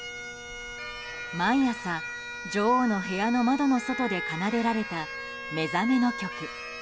毎朝、女王の部屋の窓の外で奏でられた目覚めの曲。